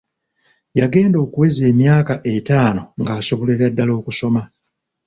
Yagenda okuweza emyaka etaano nga asobolera ddala okusoma.